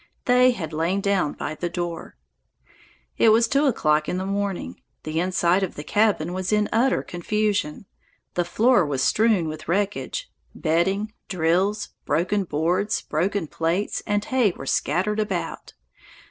They had lain down by the door. It was two o'clock in the morning. The inside of the cabin was in utter confusion. The floor was strewn with wreckage; bedding, drills, broken boards, broken plates, and hay were scattered about.